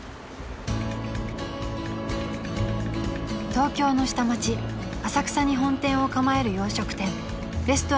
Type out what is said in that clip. ［東京の下町浅草に本店を構える洋食店］